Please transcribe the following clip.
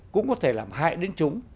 cũng có thể làm hại đến chúng